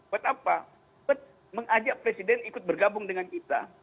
buat apa buat mengajak presiden ikut bergabung dengan kita